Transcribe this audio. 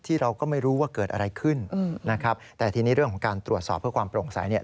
เราก็ไม่รู้ว่าเกิดอะไรขึ้นนะครับแต่ทีนี้เรื่องของการตรวจสอบเพื่อความโปร่งใสเนี่ย